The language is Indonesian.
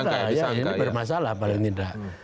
disangka ya ini bermasalah paling tidak